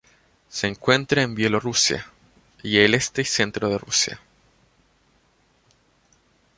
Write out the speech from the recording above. Se encuentra en Bielorrusia y el este y centro de Rusia.